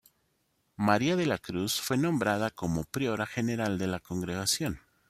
María de la Cruz fue nombrada como priora general de la congregación.